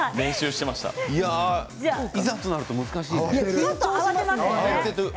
いざとなると難しいね。